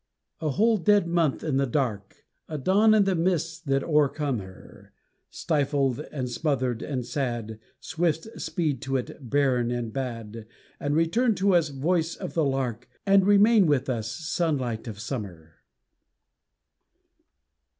A whole dead month in the dark, A dawn in the mists that o'ercome her Stifled and smothered and sad Swift speed to it, barren and bad! And return to us, voice of the lark, And remain with us, sunlight of summer.